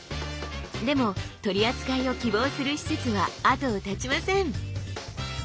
でも取り扱いを希望する施設は後を絶ちません。